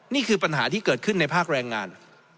นี่คือปัญหาที่เกิดขึ้นในภาคแรงงาน